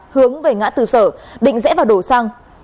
hướng về ngã tư sở định rẽ vào đổ xăng